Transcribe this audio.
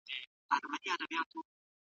څه شی د هېوادونو ترمنځ کرکه کموي؟